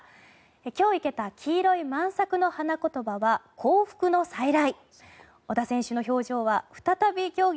今日生けた黄色いマンサクの花言葉は「幸福の再来」。